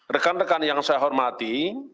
rekan rekan yang saya hormati